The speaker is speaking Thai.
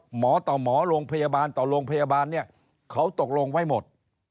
หมอต่อหมอโรงพยาบาลต่อโรงพยาบาลเนี่ยเขาตกลงไว้หมด